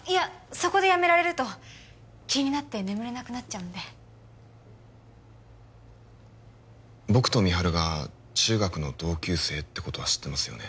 そこでやめられると気になって眠れなくなっちゃうんで僕と美晴が中学の同級生ってことは知ってますよね？